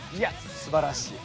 すばらしいわ。